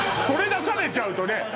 それ出されちゃうとね。